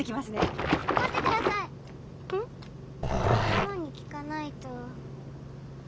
ママに聞かないと。